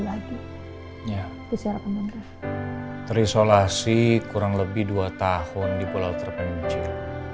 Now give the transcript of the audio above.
lagi terisolasi kurang lebih dua tahun di pulau terpencil